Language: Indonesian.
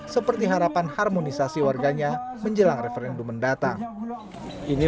seperti harapan harmonisasi warganya menjelang referendum mendatang